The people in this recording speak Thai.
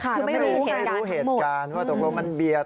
คือไม่รู้ไม่รู้เหตุการณ์ว่าตกลงมันเบียด